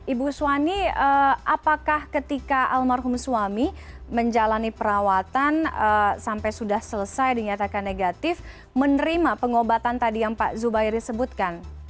ibu suwani apakah ketika almarhum suami menjalani perawatan sampai sudah selesai dinyatakan negatif menerima pengobatan tadi yang pak zubairi sebutkan